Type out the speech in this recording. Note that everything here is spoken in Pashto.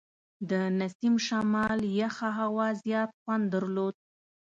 د نسیم شمال یخه هوا زیات خوند درلود.